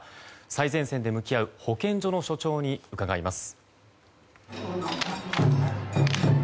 最前線で向き合う保健所の所長に伺います。